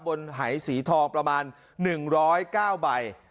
หายสีทองประมาณ๑๐๙ใบ